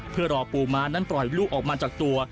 เพื่อรอปูม้านั้นปล่อยลูกออกมาจากตัว